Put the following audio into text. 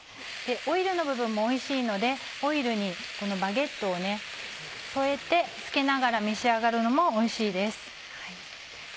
オイルの部分もおいしいのでオイルにこのバゲットを添えてつけながら召し上がるのもおいしいです。